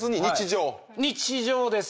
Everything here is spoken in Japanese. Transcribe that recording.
日常です。